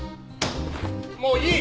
もういい。